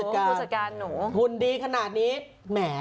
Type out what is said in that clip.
อุตสระออกกำลังใกล้สิ